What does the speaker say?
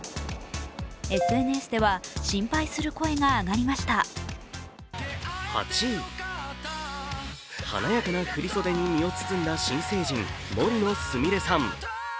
ＳＮＳでは心配する声が上がりました華やかな振り袖に身を包んだ新成人、杜野菫さん。